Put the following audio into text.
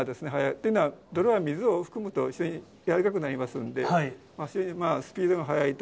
というのは、泥は水を含むと、非常に軟らかくになりますんで、スピードが速いと。